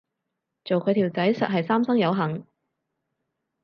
做佢條仔實係三生有幸